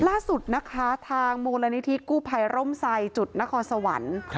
ล่าสุดนะคะทางมูลนิธิกู้ภัยร่มไซจุดนครสวรรค์